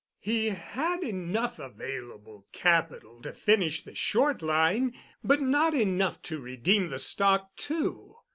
He had enough available capital to finish the Short Line, but not enough to redeem the stock, too.